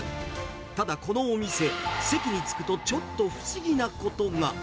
ただ、このお店、席に着くとちょっと不思議なことが。